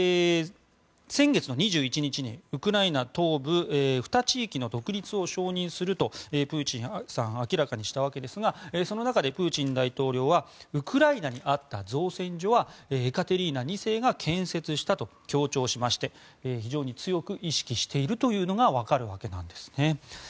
先月２１日にウクライナ東部２地域の独立を承認するとプーチンさん明らかにしたんですがその中でプーチン大統領はウクライナにあった造船所はエカテリーナ２世が建設したと強調しまして非常に強く意識しているというのがわかるわけですね。